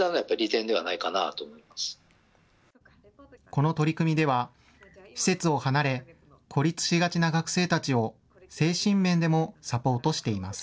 この取り組みでは施設を離れ孤立しがちな学生たちを精神面でもサポートしています。